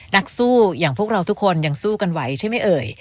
นักสู้อย่างพวกเราทุกคนยังสู้กันไหวใช่ไหมเอ่ย